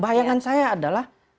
betul bayangan saya adalah